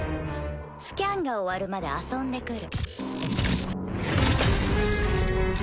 スキャンが終わるまで遊んでくる。